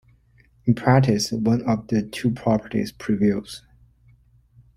In practice, one of the two properties prevails.